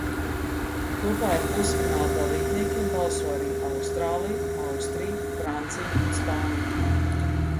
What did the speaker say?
Kopā ar pusfināla dalībniekiem balso arī Austrālija, Austrija, Francija un Spānija.